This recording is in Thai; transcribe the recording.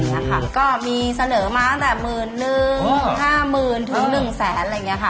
อะไรอย่างนี้ค่ะก็มีเสนอมาตั้งแต่๑๑๕๐๐๑๐๐๐๐๐หลายอย่างงี้ค่ะ